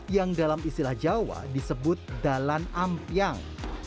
yang dalam istilah jawa disebut dalan ampiang